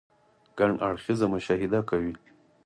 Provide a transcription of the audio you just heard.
ګڼ اړخيزه مشاهده کوئ -